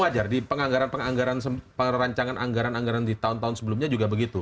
jadi memang wajar di perancangan anggaran anggaran di tahun tahun sebelumnya juga begitu